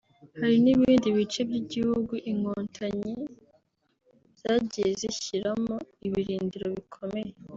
hari n’ibindi bice by’igihugu Inkotanyi zagiye zishyiramo ibirindiro bikomeye